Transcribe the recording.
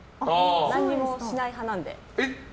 何もしない派なので。